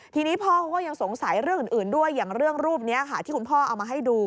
ทีนี้พ่อเขาก็ยังสงสัยเรื่องอื่นด้วยอย่างเรื่องรูปนี้ค่ะที่คุณพ่อเอามาให้ดู